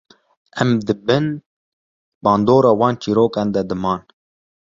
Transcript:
Em di bin bandora wan çîrokan de diman.